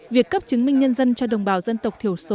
việc cấp chứng minh nhân dân cho đồng bào dân tộc thiểu số